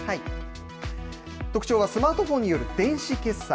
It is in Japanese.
特徴はスマートフォンによる電子決済。